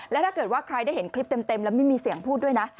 และถ้าเกิดว่าใครได้เห็นคลิปเต็มแล้วไม่มีเสียงพูดด้วยนะ